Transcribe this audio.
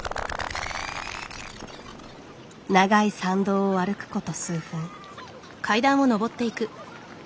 長い参道を歩くこと数分。